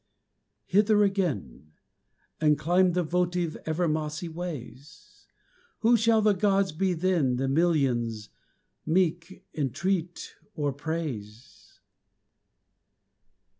Hither again! and climb the votive Ever mossy ways? Who shall the gods be then, the millions Meek, entreat or praise?